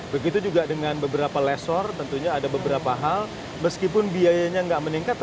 begitu juga dengan beberapa lessor tentunya ada beberapa hal meskipun biayanya nggak meningkat